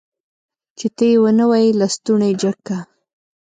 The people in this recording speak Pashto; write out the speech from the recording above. چې ته يې ونه وايي لستوڼی جګ که.